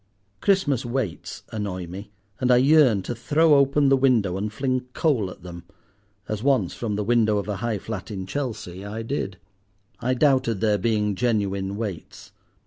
Christmas Waits annoy me, and I yearn to throw open the window and fling coal at them—as once from the window of a high flat in Chelsea I did. I doubted their being genuine Waits.